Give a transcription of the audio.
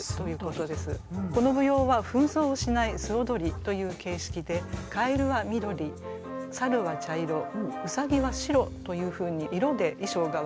この舞踊は扮装をしない素踊りという形式で蛙は緑猿は茶色兎は白というふうに色で衣装が分かれております。